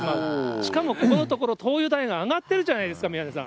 しかもここのところ灯油代が上がってるじゃないですか、宮根さん。